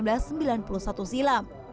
atau satu silam